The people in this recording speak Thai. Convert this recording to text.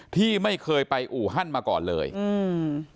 ที่ไม่เคยไปอู่ฮั่นมาก่อนเลยอืม